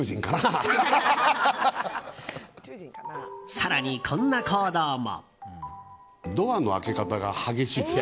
更に、こんな行動も。